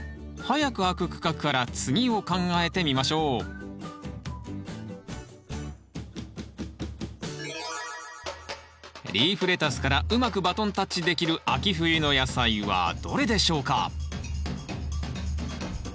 早く空く区画から次を考えてみましょうリーフレタスからうまくバトンタッチできる秋冬の野菜はどれでしょうか？